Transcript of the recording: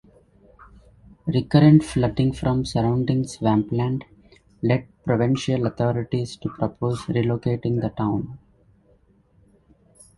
Recurrent flooding from surrounding swampland led provincial authorities to propose relocating the town.